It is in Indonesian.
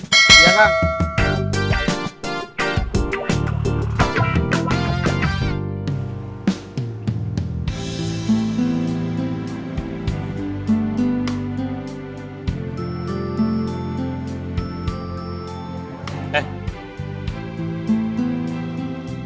kamu lagi ngelamuinin siapa